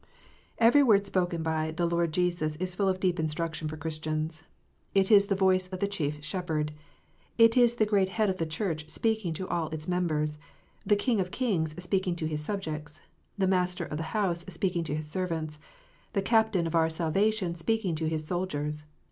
EVERY word spoken by the Lord Jesus is full of deep instruction for Christians. It is the voice of the Chief Shepherd. It is the Great Head of the Church speaking to all its members, the King of kings speaking to His subjects, the Master of the house speaking to His servants, the Captain of our salvation speaking to His soldiers.